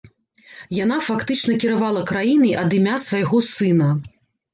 Яна фактычна кіравала краінай ад імя свайго сына.